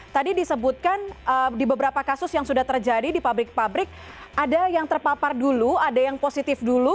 tadi disebutkan di beberapa kasus yang sudah terjadi di pabrik pabrik ada yang terpapar dulu ada yang positif dulu